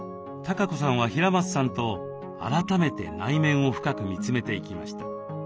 かこさんは平松さんと改めて内面を深く見つめていきました。